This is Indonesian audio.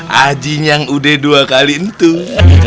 haji yang udah dua kali untung